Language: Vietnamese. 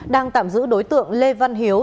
đang tạm giữ đối tượng lê văn hiếu